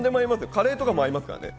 カレーとかも合いますからね。